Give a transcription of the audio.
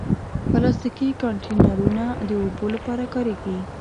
پلاستيکي کانټینرونه د اوبو لپاره کارېږي.